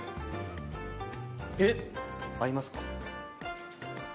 えっ⁉合いますか？